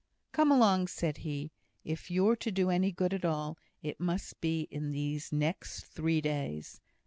"Come along!" said he. "If you're to do any good at all, it must be in these next three days.